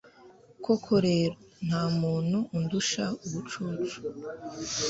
koko rero, nta muntu undusha ubucucu